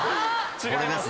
違います。